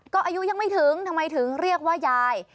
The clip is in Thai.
ก็อายุยังไม่ถึงทำไมถึงเรียกว่ายาย